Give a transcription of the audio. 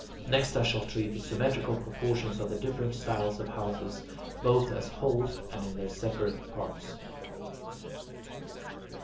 Next I shall treat the symmetrical proportions of the different styles of houses, both as wholes and in their separate parts.